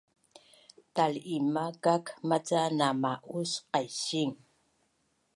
Tal’imakak maca na ma’us qaising